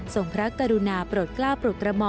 ส่งพระกุรุณาปรดกล้าปรุกกระหม่อม